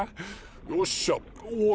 よっしゃおい